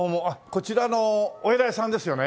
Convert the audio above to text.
こちらのお偉いさんですよね？